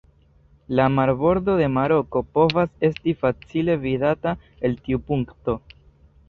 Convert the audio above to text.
La marbordo de Maroko povas esti facile vidata el tiu punkto.